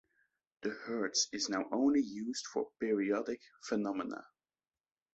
The hertz is now only used for periodic phenomena.